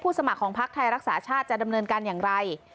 สมัครของพักไทยรักษาชาติจะดำเนินการอย่างไร